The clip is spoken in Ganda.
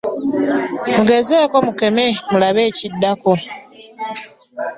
Mugezeeko munkeme mulabe ekiddako.